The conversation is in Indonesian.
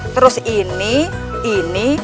terus ini ini